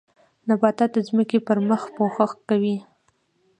نباتات د ځمکې پر مخ پوښښ کوي